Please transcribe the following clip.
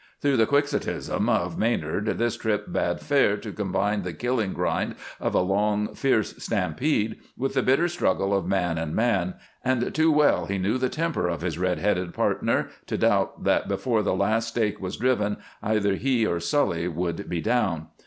Through the quixotism of Maynard this trip bade fair to combine the killing grind of a long, fierce stampede with the bitter struggle of man and man, and too well he knew the temper of his red headed partner to doubt that before the last stake was driven either he or Sully would be down.